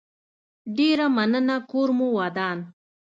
ډيره مننه کور مو ودان